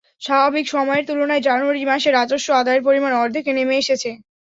স্বাভাবিক সময়ের তুলনায় জানুয়ারি মাসে রাজস্ব আদায়ের পরিমাণ অর্ধেকে নেমে এসেছে।